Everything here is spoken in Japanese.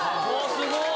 すごい！